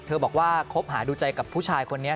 บอกว่าคบหาดูใจกับผู้ชายคนนี้